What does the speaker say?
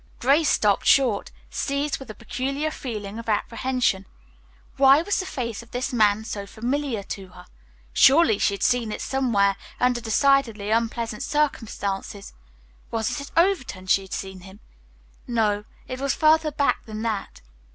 Grace stopped short, seized with a peculiar feeling of apprehension. Why was the face of this man so familiar to her? Surely she had seen it somewhere under decidedly unpleasant circumstances. Was it at Overton she had seen him? No, it was further back than that.